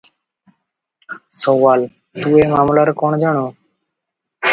ସୱାଲ - ତୁ ଏ ମାମଲାରେ କଣ ଜାଣୁ?